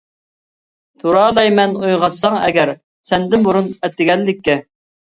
تۇرالايمەن ئويغاتساڭ ئەگەر، سەندىن بۇرۇن ئەتىگەنلىككە.